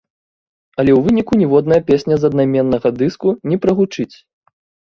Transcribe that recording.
Але ў выніку ніводная песня з аднайменнага дыску не прагучыць.